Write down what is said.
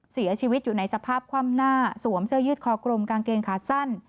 เสียชีวิตอยู่ในสภาพคว่ำหน้าสวมเสื้อยืดคอกรมกางเกงขาสั้น